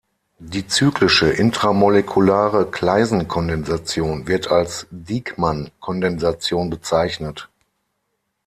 Die cyclische, intramolekulare Claisen-Kondensation wird als Dieckmann-Kondensation bezeichnet.